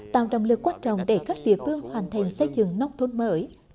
tạo động lực quan trọng để các địa phương hoàn thành xây dựng nông thôn mới